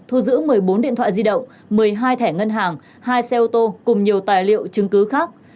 thu giữ một mươi bốn điện thoại di động một mươi hai thẻ ngân hàng hai xe ô tô cùng nhiều tài liệu chứng cứ khác